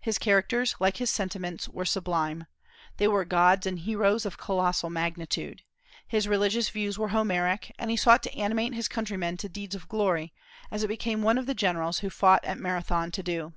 His characters, like his sentiments, were sublime, they were gods and heroes of colossal magnitude. His religious views were Homeric, and he sought to animate his countrymen to deeds of glory, as it became one of the generals who fought at Marathon to do.